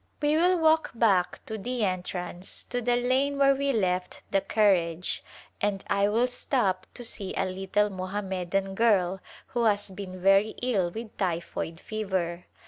We will walk back to the entrance to the lane where we left the carriage and I will stop to see a lit tle Mohammedan girl who has been very ill with typhoid fever.